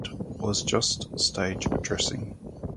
I was just stage dressing.